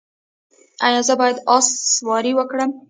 ایا زه باید اس سواري وکړم؟